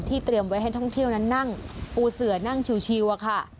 เตรียมไว้ให้ท่องเที่ยวนั้นนั่งปูเสือนั่งชิวอะค่ะ